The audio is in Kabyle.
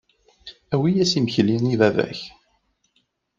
Awi-yas imekli i baba-k.